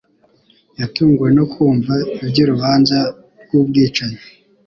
Yatunguwe no kumva iby'urubanza rw'ubwicanyi